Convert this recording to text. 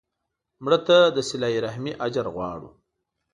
مړه ته د صله رحمي اجر غواړو